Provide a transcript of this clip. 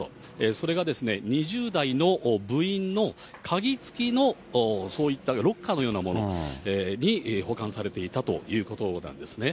それが２０代の部員の鍵付きのそういったロッカーのようなものに保管されていたということなんですね。